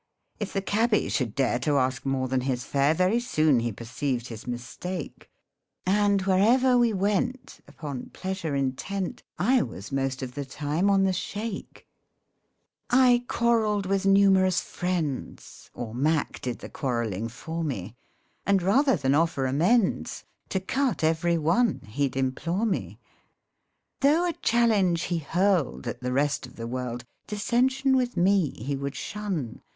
If the cabby should dare to ask more than his fare, Very soon he perceived his mistake ; And wherever we went, upon pleasure intent, I was most of the time on the shake. MEN I MIGHT HAVE MARRIED I quarrelled with numerous friends, Or Mac did the quarrelling for me, And rather than offer amends, To cut every one, he'd implore me. Though a challenge he hurled at the rest of the world, Dissension with me he would shun.